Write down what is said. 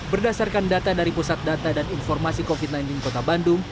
berdasarkan data dari pusat data dan informasi covid sembilan belas kota bandung